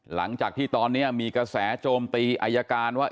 หลังจากที่ตอนนี้มีกระแสโจมตีอายการว่า